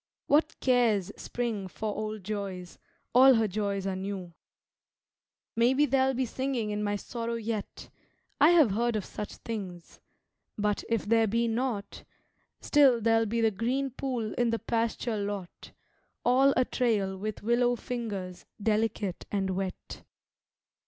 What cares Spring for old joys, all her joys are new. Maybe there'll be singing in my sorrow yet I have heard of such things but, if there be not, Still there'll be the green pool in the pasture lot, All a trail with willow fingers, delicate and wet.